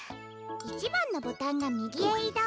１ばんのボタンがみぎへいどう。